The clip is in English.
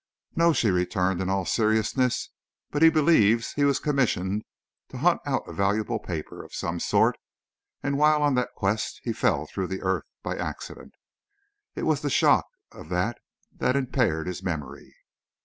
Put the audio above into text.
"No," she returned, in all seriousness, "but he believes he was commissioned to hunt out a valuable paper, of some sort, and while on the quest he fell through the earth, by accident. It was the shock of that that impaired his memory."